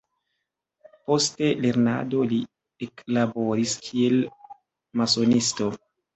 Post lernado li eklaboris kiel masonisto.